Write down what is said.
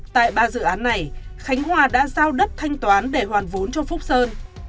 tại ba dự án này khánh hòa đã giao đất thanh toán để hoàn vốn cho phúc sơn